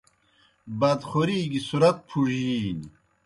بادخوری گیْ صُرَت پُھڙجِینیْ۔